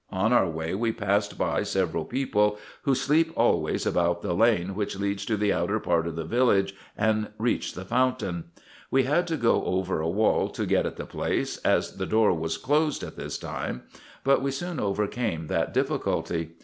On our way we passed by several people, who sleep always about the lane which leads to the outer part of the village, and reached the fountain. We had to go over a wall to get at the place, as the door was closed at this time, but we soon overcame that difficulty.